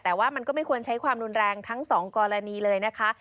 แต่ว่ามันก็ไม่ควรใช้ความรุนแรงทั้งสองกรณีเลยนะคะ